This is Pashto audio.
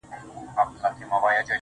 زما ټول ځان نن ستا وه ښكلي مخته سرټيټوي,